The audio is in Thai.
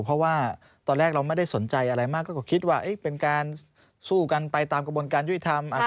เพราะว่าตอนแรกเราไม่ได้สนใจอะไรมากก็คิดว่าเป็นการสู้กันไปตามกระบวนการยุติธรรม